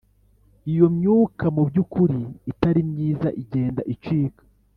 Iyo myuka mu by ukuri itari myiza igenda icika.